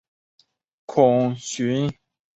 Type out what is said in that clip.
孔循奉命将赵虔等全部族诛。